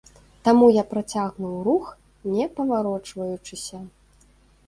Таму я працягнуў рух, не паварочваючыся.